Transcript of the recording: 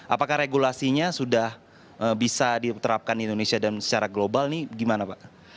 apakah regulasinya sudah bisa diterapkan di indonesia dan secara global ini gimana pak